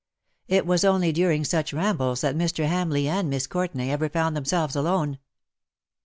It was only during such rambles that Mr. Hamleigh and Miss Courtenay ever found themselves alone.